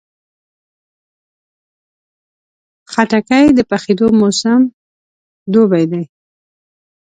خټکی د پخېدو موسم دوبی دی.